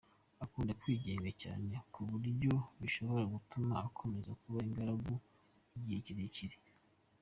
Akunda kwigenga cyane ku buryo bishobora gutuma akomeza kuba ingaragu igihe kirekire.